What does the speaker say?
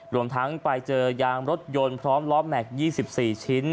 รวมทั้งไปเจอยางรถยนต์พร้อมล้อแม็กซ์๒๔ชิ้น